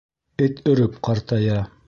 Эт өрөп ҡартая.